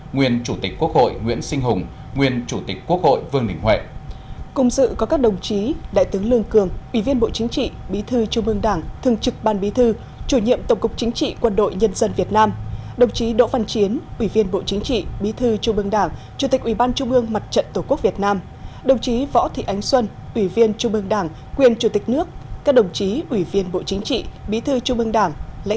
nguyên chủ tịch quốc hội nguyễn sinh hùng nguyên chủ tịch quốc hội vương đình huệ